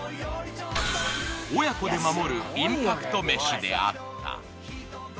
親子で守るインパクト飯であった。